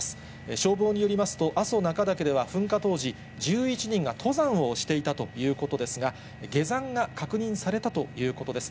消防によりますと、阿蘇中岳では噴火当時、１１人が登山をしていたということですが、下山が確認されたということです。